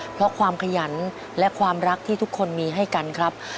เพราะความขยันและความรักที่ทุกคนมีให้กันครับ